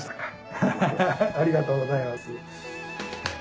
ハハハありがとうございます。